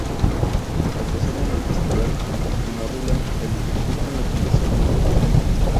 Actuación en el festival Tomorrowland, el último fin de semana de julio.